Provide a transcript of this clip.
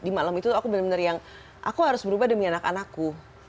di malam itu aku bener bener yang aku harus berubah demi anak anakku